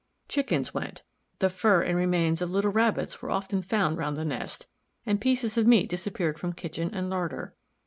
Chickens went; the fur and remains of little Rabbits were often found round the nest, and pieces of meat disappeared from kitchen and larder.